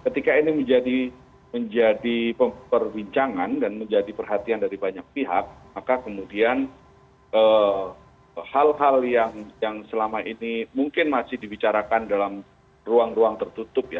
ketika ini menjadi perbincangan dan menjadi perhatian dari banyak pihak maka kemudian hal hal yang selama ini mungkin masih dibicarakan dalam ruang ruang tertutup ya